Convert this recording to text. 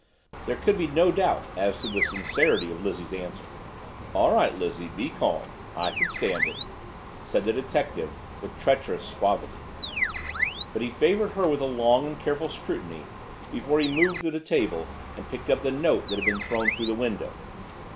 There could be no doubt as to the sincerity of Lizzie's answer. "All right, Lizzie. Be calm. I can stand it," said the detective with treacherous suavity. But he favored her with a long and careful scrutiny before he moved to the table and picked up the note that had been thrown through the window.